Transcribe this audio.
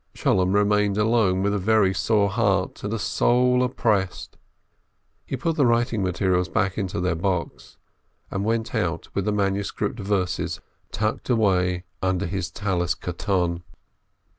Sholem remained alone with a very sore heart and a soul opprest. He put the writing materials back into their box, and went out with the manuscript verses tucked away under his Tallis koton.